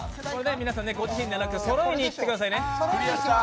ご自身ではなくてそろえにいってくださいね。